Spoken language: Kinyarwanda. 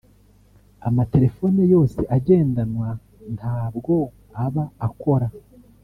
amatelefone yose agendanwa ntabwo aba akora